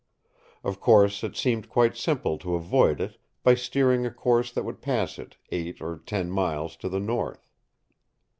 Of course, it seemed quite simple to avoid it by steering a course that would pass it eight or ten miles to the north.